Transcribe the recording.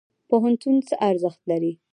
پوهنتون څه ارزښت لري؟